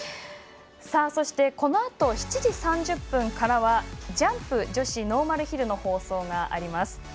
そして、このあと７時３０分からはジャンプ女子ノーマルヒルの放送があります。